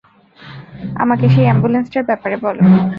আমাকে সেই অ্যাম্বুলেন্সটার ব্যাপারে বলো।